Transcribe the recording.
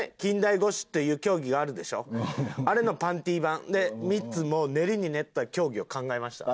あれのパンティ版。で３つもう練りに練った競技を考えました。